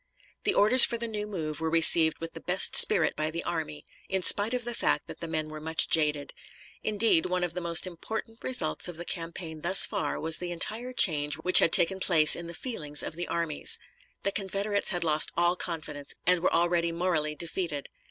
The orders for the new move were received with the best spirit by the army, in spite of the fact that the men were much jaded. Indeed, one of the most important results of the campaign thus far was the entire change which had taken place in the feelings of the armies. The Confederates had lost all confidence, and were already morally defeated.